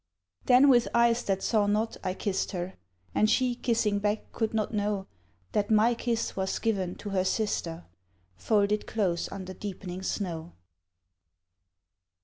Then, with eyes that saw not, I kissed her; And she, kissing back, could not know That my kiss was given to her sister, Folded close under deepening snow.